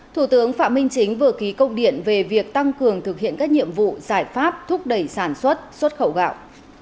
thủ tướng phạm minh chính vừa ký công điện về việc tăng cường thực hiện các nhiệm vụ giải pháp thúc đẩy sản xuất xuất khẩu gạo